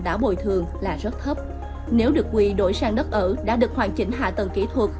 đã bồi thường là rất thấp nếu được quy đổi sang đất ở đã được hoàn chỉnh hạ tầng kỹ thuật